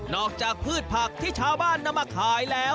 จากพืชผักที่ชาวบ้านนำมาขายแล้ว